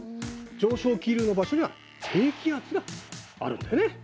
上昇気流の場所には低気圧があるんだよね。